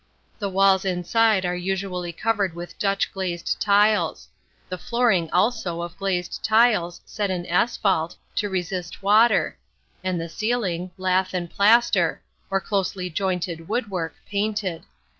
The walls inside are usually covered with Dutch glazed tiles; the flooring also of glazed tiles set in asphalte, to resist water; and the ceiling, lath and plaster, or closely jointed woodwork, painted.